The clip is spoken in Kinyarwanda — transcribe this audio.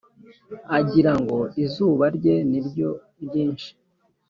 Agira ngo izuba rye ni ryo ryinshi